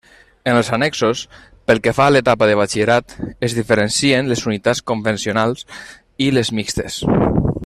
En els annexos, pel que fa a l'etapa de Batxillerat, es diferencien les unitats convencionals i les mixtes.